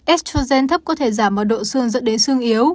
estrogen thấp có thể giảm vào độ xương dẫn đến xương yếu